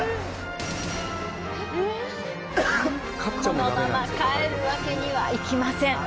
このまま帰るわけにはいきません。